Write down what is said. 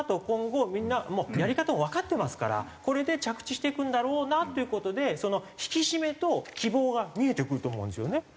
今後みんなもうやり方をわかってますからこれで着地していくんだろうなという事でその引き締めと希望が見えてくると思うんですよね。